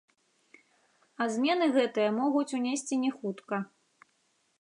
А змены гэтыя могуць унесці не хутка.